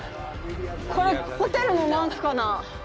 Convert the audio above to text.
これホテルのマークかな。